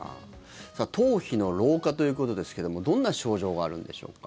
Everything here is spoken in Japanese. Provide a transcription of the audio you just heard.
頭皮の老化ということですけどもどんな症状があるんでしょうか？